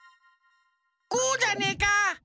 こうじゃねえか？